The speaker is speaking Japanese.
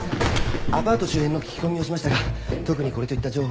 アパート周辺の聞き込みをしましたが特にこれといった情報は得られませんでした。